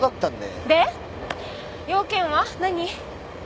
で用件は何？